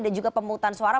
dan juga pemutusan suara